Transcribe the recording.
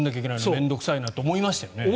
面倒臭いなと思いましたよね。